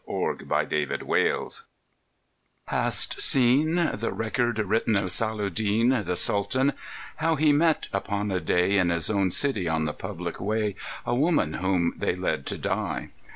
MERCY'S REWARD Hast seen The record written of Salah ud Deen, The Sultan how he met, upon a day, In his own city on the public way, A woman whom they led to die?